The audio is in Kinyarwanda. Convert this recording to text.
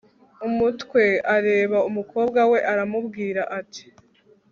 umutwe areba umukobwa we aramubwira ati